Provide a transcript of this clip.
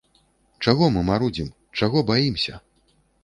Чаго мы марудзім, чаго баімся?